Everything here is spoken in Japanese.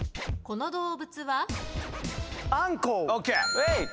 この動物は？